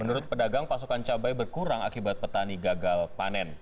menurut pedagang pasokan cabai berkurang akibat petani gagal panen